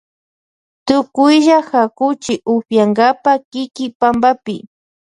Tukuylla hakuchi upiyankapa kiki pampapi.